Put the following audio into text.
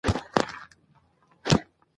مرکب صفتونه جملې ته ژوروالی ورکوي.